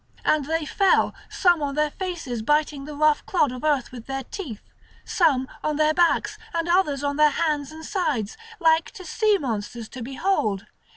And they fell, some on their faces biting the rough clod of earth with their teeth, some on their backs, and others on their hands and sides, like to sea monsters to behold.